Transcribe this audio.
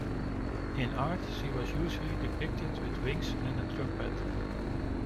In art, she was usually depicted with wings and a trumpet.